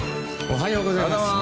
おはようございます。